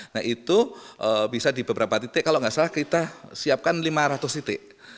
nah itu bisa di beberapa titik kalau nggak salah kita siapkan lima ratus titik